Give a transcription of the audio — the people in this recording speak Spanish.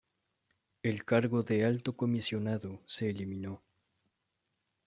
El cargo de alto comisionado se eliminó.